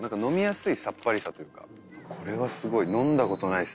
これはすごい。